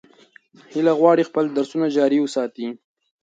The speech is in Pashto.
هیله غواړي چې خپل درسونه جاري وساتي.